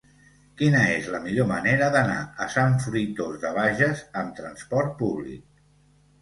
Quina és la millor manera d'anar a Sant Fruitós de Bages amb trasport públic?